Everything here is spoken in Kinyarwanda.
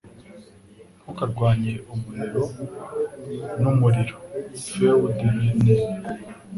Ntukarwanye umuriro n'umuriro (FeuDRenais)